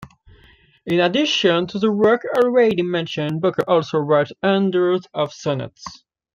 In addition to the works already mentioned, Boker also wrote hundreds of sonnets.